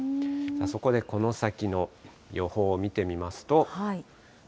そこでこの先の予報を見てみますと。